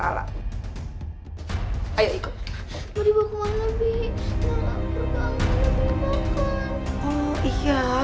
apa yang dikatakan mas samso